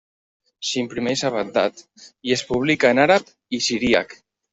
S'imprimeix a Bagdad i es publica en àrab i siríac.